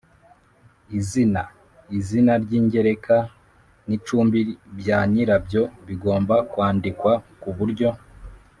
Izina izina ry ingereka n icumbi bya nyirabyo bigomba kwandikwa ku buryo